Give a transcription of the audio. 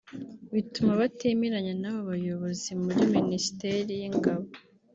bituma batemeranya n’abo bayobozi muri Minisiteri y’ingabo